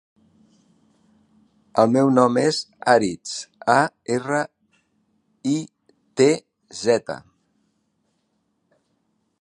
El meu nom és Aritz: a, erra, i, te, zeta.